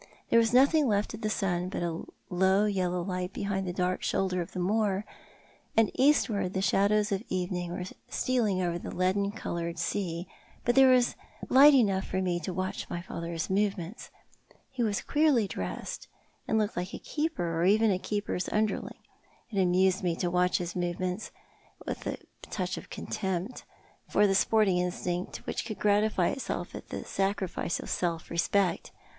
There was nothing left of the sun but a low yellow light behind the <lark shoulder of the moor, and eastward the shadows of evening were stealing over the leaden coloured sea; but there was light enough for me to watch my father's movements. He was queer' y dressed, and looked like a keeper or even a keeper's UD'lerling. It amused me to watch his movements, with a Cora expatiates. 283 touch of contempt for the sporting instinct which could gratify itself at the sacrifice of self respect.